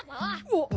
あっ。